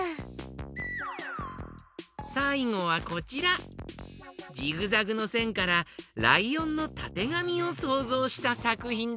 さいごはこちらジグザグのせんからライオンのたてがみをそうぞうしたさくひんだよ。